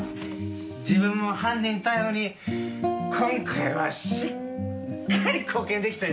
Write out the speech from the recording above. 自分も犯人逮捕に今回はしっかり貢献できたでしょ？